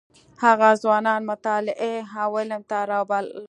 هغه ځوانان مطالعې او علم ته راوبلل.